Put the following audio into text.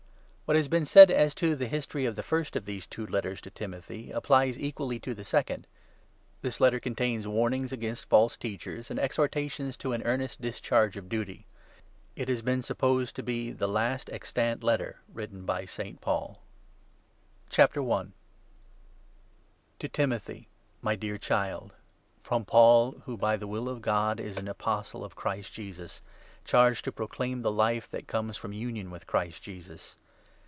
] WHAT has been said as to the history of the first of these two " Letters to Timothy" applies equally to the second. This Letter contains warnings against false Teachers, and exhortations to an earnest discharge of duty. It has been supposed to be the last extant letter written by St. Paul. TO TIMOTHY. < II. I. — INTRODUCTION. Greeting. To Timothy, my dear Child, ' 1 2 1 FROM Paul who, by the will of God, is an Apostle of Christ Jesus, charged to proclaim the Life that comes from union with Christ Jesus.